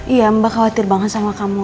iya mbak khawatir banget sama kamu